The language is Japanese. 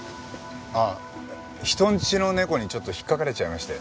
ああ人んちの猫にちょっと引っかかれちゃいまして。